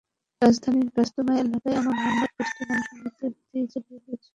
রাজধানীর ব্যস্ততম এলাকায় এমন হামলায় দেশটির মানুষের মধ্যে ভীতি ছড়িয়ে পড়েছে।